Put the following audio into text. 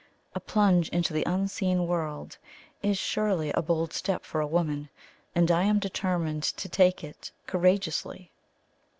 A plunge into the unseen world is surely a bold step for a woman, and I am determined to take it courageously."